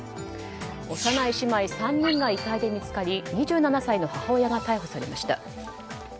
幼い姉妹３人が遺体で見つかり２７歳の母親が逮捕されました。